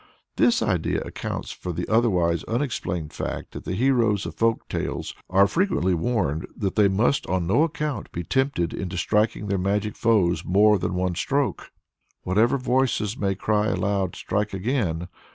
This idea accounts for the otherwise unexplained fact that the heroes of folk tales are frequently warned that they must on no account be tempted into striking their magic foes more than one stroke. Whatever voices may cry aloud "Strike again!"